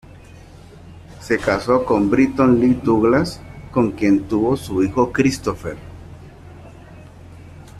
Se casó con Bretton Lee Douglas, con quien tuvo su hijo Christopher.